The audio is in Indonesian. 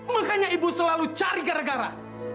makanya ibu selalu cari gara gara